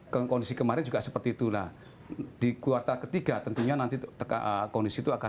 ke kondisi kemarin juga seperti itulah di kuartal ketiga tentunya nanti teka kondisi itu akan akan